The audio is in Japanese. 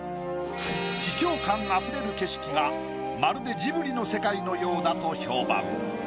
秘境感あふれる景色がまるで「ジブリ」の世界のようだと評判。